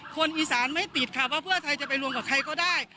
คนอีสานไม่ติดค่ะว่าเพื่อไทยจะไปรวมกับใครก็ได้